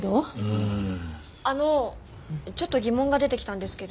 あのちょっと疑問が出てきたんですけど。